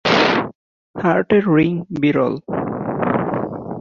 হার্টের রিং বিরল।